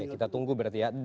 kita tunggu berarti ya